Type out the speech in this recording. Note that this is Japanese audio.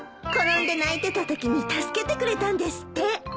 転んで泣いてたときに助けてくれたんですって。